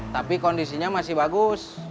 tapi kondisinya masih bagus